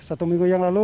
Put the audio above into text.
satu minggu yang lalu